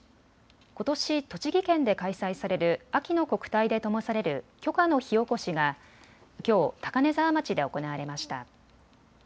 ことし栃木県で開催される秋の国体でともされる炬火の火おこしがきょう高根沢町で行われました。